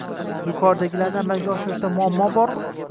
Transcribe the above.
Yuqoridagilarni amalga oshirishda muammo bormi?